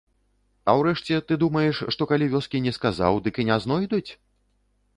А ўрэшце, ты думаеш, што калі вёскі не сказаў, дык і не знойдуць?